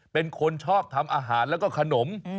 เป็นคนชอบทำอาหารแล้วก็ขนม